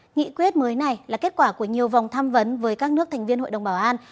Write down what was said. nghị quyết mới này là kết quả của nhiều vòng tham vấn với các nước thành viên hội đồng bảo an